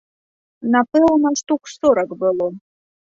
Напэўна, штук сорак было.